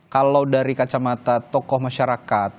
kalau dari kacamata tokoh masyarakat